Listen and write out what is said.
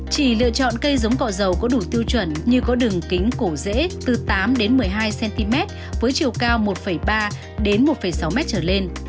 chỉ lựa chọn cây giống cọ dầu có đủ tiêu chuẩn như có đường kính cổ dễ từ tám đến một mươi hai cm với chiều cao một ba một sáu m trở lên